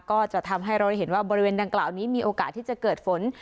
ก็จะทำให้เราได้เห็นว่าบริเวณดังกล่าวนี้มีโอกาสที่จะเกิดฝน